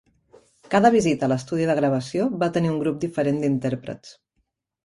Cada visita a l'estudi de gravació va tenir un grup diferent d'intèrprets.